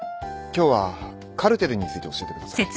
今日はカルテルについて教えてください。